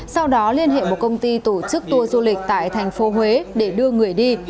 sau đó liên hệ một công ty tổ chức tour du lịch tại thành phố huế để đưa người đi